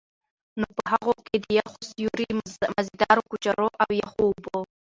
نو په هغو کي د يخ سيُوري، مزيدارو کجورو، او يخو اوبو